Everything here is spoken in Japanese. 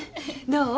どう？